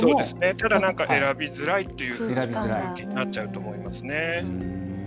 ただ、選びづらいという空気になっちゃうと思いますね。